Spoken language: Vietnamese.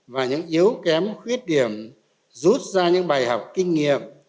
và những yếu kém khuyết điểm rút ra những bài học kinh nghiệm